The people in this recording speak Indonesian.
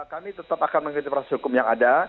kami tetap akan mengikuti proses hukum yang ada